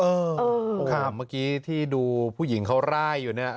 ค่ะเมื่อกี้ที่ดูผู้หญิงเขาร่ายอยู่เนี่ย